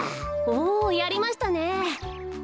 おやりましたね。